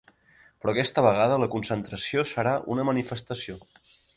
Però aquesta vegada la concentració serà una manifestació.